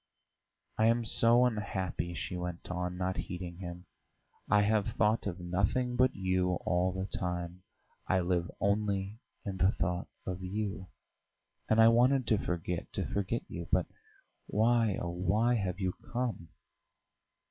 "I am so unhappy," she went on, not heeding him. "I have thought of nothing but you all the time; I live only in the thought of you. And I wanted to forget, to forget you; but why, oh, why, have you come?"